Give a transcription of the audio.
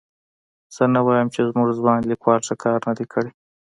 زه نه وایم چې زموږ ځوان لیکوال ښه کار نه دی کړی.